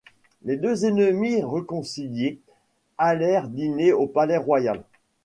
Les deux ennemis réconciliés allèrent dîner au Palais-Royal.